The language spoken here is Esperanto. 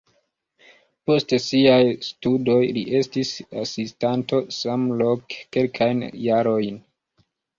Post siaj studoj li estis asistanto samloke kelkajn jarojn.